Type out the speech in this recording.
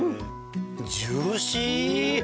ジューシー！